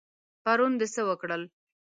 پرون د څه وکړل؟